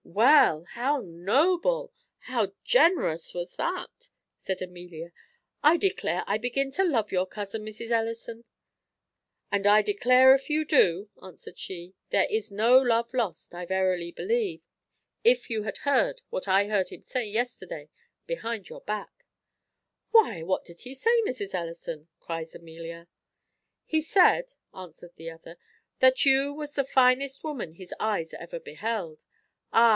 "Well! how noble, how generous was that!" said Amelia. "I declare I begin to love your cousin, Mrs. Ellison." "And I declare if you do," answered she, "there is no love lost, I verily believe; if you had heard what I heard him say yesterday behind your back " "Why, what did he say, Mrs. Ellison?" cries Amelia. "He said," answered the other, "that you was the finest woman his eyes ever beheld. Ah!